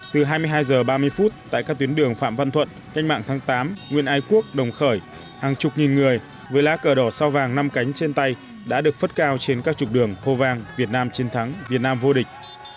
từ hai mươi hai h ba mươi tại các tuyến đường phạm văn thuận canh mạng tháng tám nguyên ái quốc đồng khởi hàng chục nghìn người với lá cờ đỏ sao vàng năm cánh trên tay đã được phất cao trên các trục đường hô vàng việt nam chiến thắng việt nam vô địch